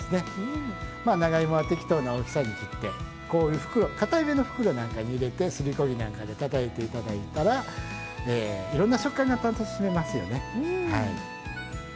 長芋は適当な大きさに切ってこういう袋かたいめの袋なんかに入れてすりこ木なんかでたたいて頂いたらいろんな食感が楽しめますよね。